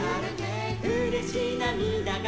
「うれしなみだが」